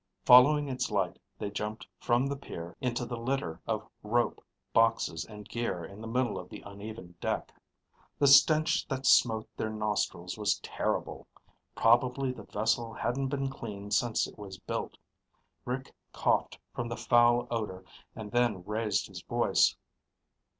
Following its light, they jumped from the pier into the litter of rope, boxes, and gear in the middle of the uneven deck. The stench that smote their nostrils was terrible. Probably the vessel hadn't been cleaned since it was built. Rick coughed from the foul odor and then raised his voice.